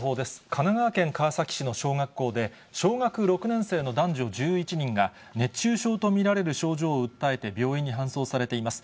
神奈川県川崎市の小学校で、小学６年生の男女１１人が、熱中症と見られる症状を訴えて病院に搬送されています。